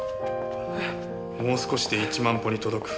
もう少しで１万歩に届く。